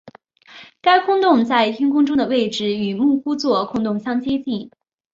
该空洞在天空中的位置与牧夫座空洞相接近。